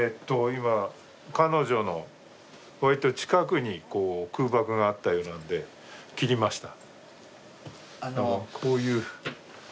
今彼女の割と近くにこう空爆があったようなんで切りました